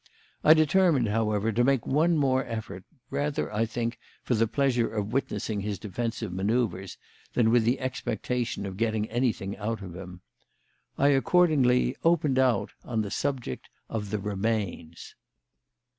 I determined, however, to make one more effort, rather, I think, for the pleasure of witnessing his defensive manoeuvres than with the expectation of getting anything out of him. I accordingly "opened out" on the subject of the "remains."